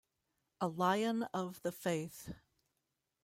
"A Lion of the Faith".